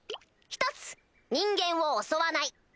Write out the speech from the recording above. １つ人間を襲わない。